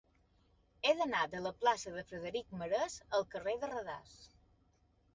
He d'anar de la plaça de Frederic Marès al carrer de Radas.